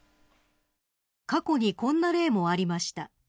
過去に、こんな例もありました。